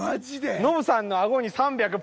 ノブさんのあごに３００ポーン！